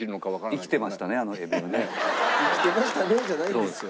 「生きてましたね」じゃないんですよ。